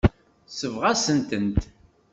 Tesbeɣ-asent-tent.